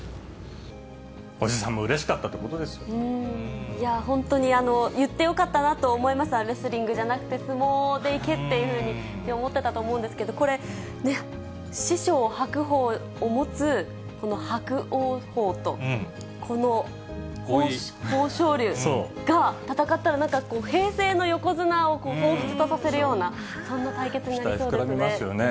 叔父さんもうれしかったといいやー、本当に、言ってよかったなと思います、レスリングじゃなくて相撲で行けっていうふうに思ってたと思うんですけど、これ、師匠、白鵬を持つ伯桜鵬と、この豊昇龍が戦ったらなんかこう、平成の横綱をほうふつとさせるような、期待膨らみますよね。